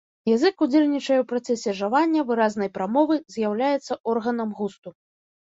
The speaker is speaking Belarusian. Язык ўдзельнічае ў працэсе жавання, выразнай прамовы, з'яўляецца органам густу.